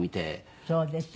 そうですよね。